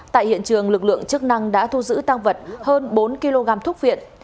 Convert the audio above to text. tại hiện trường lực lượng chức năng đã thu giữ tăng vật hơn bốn kg thuốc viện